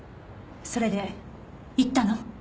それで行ったの？